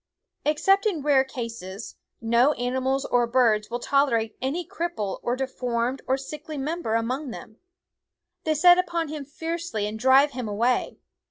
Except in rare cases, no animals or birds will tolerate any cripple or deformed or sickly member among them. They set upon him fiercely and drive him away.